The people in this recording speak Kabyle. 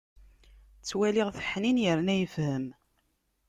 Ttwaliɣ-t ḥnin yerna yefhem.